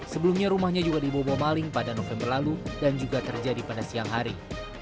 sebelumnya rumahnya juga dibobol maling pada november lalu dan juga terjadi pada siang hari